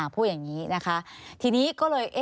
พูดอย่างนี้นะคะทีนี้ก็เลย